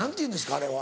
あれは。